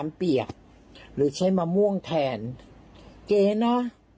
มันเปียกหรือใช้มะม่วงแทนเจ๊นะ